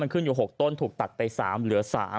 ขึ้นอยู่๖ต้นถูกตัดไป๓เหลือ๓